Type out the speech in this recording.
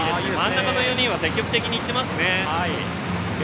真ん中の４人は積極的にいっていますね。